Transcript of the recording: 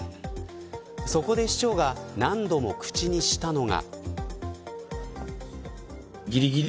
そこで市長が何度も口にしたのが。